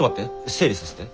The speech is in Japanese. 整理させて。